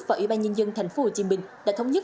và ủy ban nhân dân tp hcm đã thống nhất